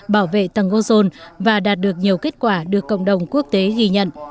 bảo vệ tầng ozone và đạt được nhiều kết quả được cộng đồng quốc tế ghi nhận